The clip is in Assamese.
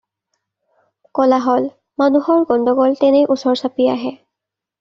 কোলাহল, মানুহৰ গণ্ডগোল তেনেই ওচৰ চাপি আহে।